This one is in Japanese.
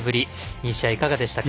２試合いかがでしたか？